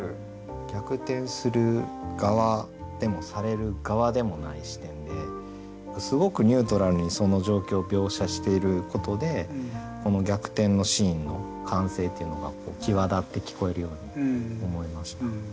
逆転する側でもされる側でもない視点ですごくニュートラルにその状況を描写していることでこの逆転のシーンの歓声っていうのが際立って聞こえるように思いました。